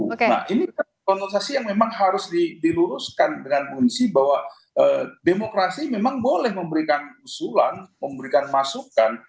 nah ini konsultasi yang memang harus diluruskan dengan fungsi bahwa demokrasi memang boleh memberikan usulan memberikan masukan